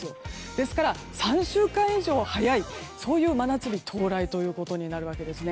ですから、３週間以上早いそういう真夏日到来となるわけですね。